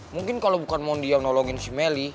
mungkin kalau bukan mondi yang nolongin si meli